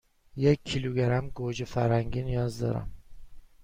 یک کیلوگرم گوجه فرنگی نیاز دارم.